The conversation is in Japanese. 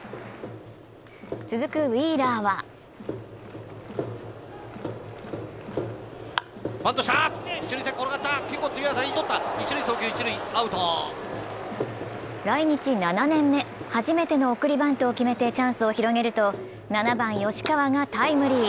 続くウィーラーは来日７年目、初めての送りバントを決めてチャンスを広げると７番・吉川がタイムリー。